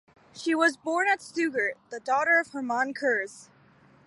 She was born at Stuttgart, the daughter of Hermann Kurz.